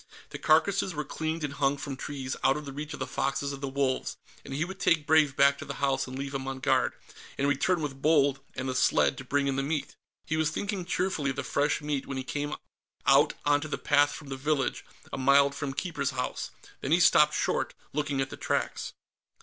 The carcasses were cleaned and hung from trees, out of reach of the foxes and the wolves, and he would take Brave back to the house and leave him on guard, and return with Bold and the sled to bring in the meat. He was thinking cheerfully of the fresh meat when he came out onto the path from the village, a mile from Keeper's House. Then he stopped short, looking at the tracks.